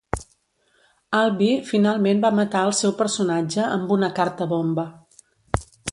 Albie finalment va matar el seu personatge amb una carta bomba.